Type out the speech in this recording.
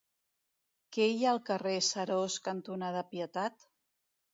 Què hi ha al carrer Seròs cantonada Pietat?